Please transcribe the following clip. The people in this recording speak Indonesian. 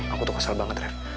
aku tuh kesel banget ref